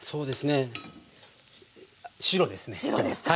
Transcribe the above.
白ですか！